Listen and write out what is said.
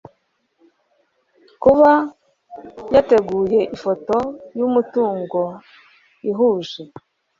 kuba yateguye ifoto y umutungo ihuje